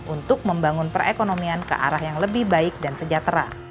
untuk membangun perekonomian ke arah yang lebih baik dan sejahtera